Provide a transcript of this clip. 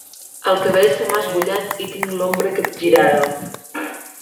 El cabell se m'ha esbullat i tinc l'ombra capgirada.